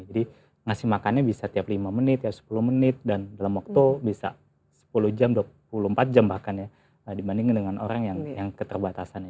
jadi ngasih makannya bisa tiap lima menit tiap sepuluh menit dan dalam waktu bisa sepuluh jam dua puluh empat jam bahkan ya dibandingkan dengan orang yang keterbatasannya